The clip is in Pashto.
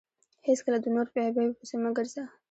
هېڅکله د نورو په عیبو پيسي مه ګرځه!